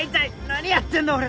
何やってんだ俺。